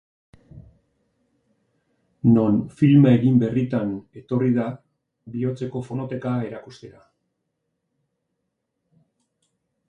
Non filma egin berritan etorri da bihotzeko fonoteka erakustera.